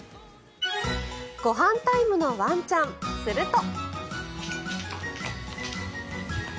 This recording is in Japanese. ご飯タイムのワンちゃんすると。